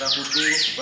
terus di sini